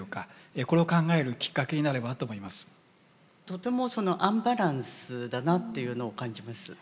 とてもアンバランスだなというのを感じます。